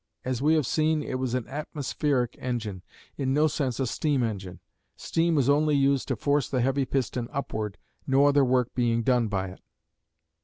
As we have seen, it was an atmospheric engine, in no sense a steam engine. Steam was only used to force the heavy piston upward, no other work being done by it.